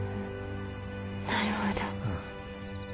なるほど。